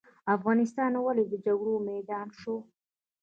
افغانستان ولې د جګړو میدان شو؟